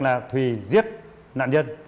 là thùy giết nạn nhân